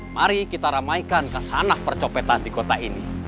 mari kita ramaikan kasanah percopetan di kota ini